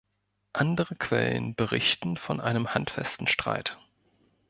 Andere Quellen berichten von einem handfesten Streit.